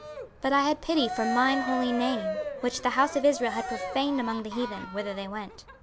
26:036:021 But I had pity for mine holy name, which the house of Israel had profaned among the heathen, whither they went.